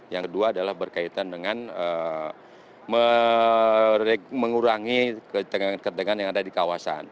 yang kedua adalah berkaitan dengan mengurangi ketegangan ketegangan yang ada di kawasan